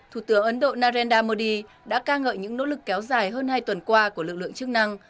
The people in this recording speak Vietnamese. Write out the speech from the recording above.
thủ tướng ấn độ narendra modi đã ca ngợi những nỗ lực kéo dài hơn hai tuần qua của lực lượng chức năng